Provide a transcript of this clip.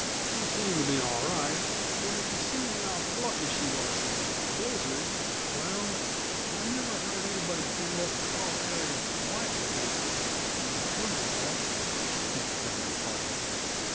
"She seemed to be all right; and if you'd seen how plucky she was in that blizzard " "Well, I never heard anybody stand up and call Harry white livered, when yuh come t' that," Pink cut in tartly.